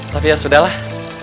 tapi ya sudahlah